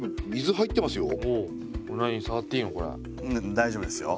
大丈夫ですよ。